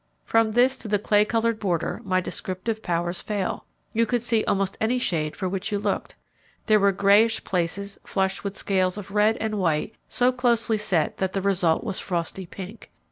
From this to the clay coloured border my descriptive powers fail. You could see almost any shade for which you looked. There were greyish places flushed with scales of red and white so closely set that the result was frosty pink.